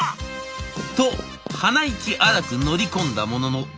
と鼻息荒く乗り込んだものの。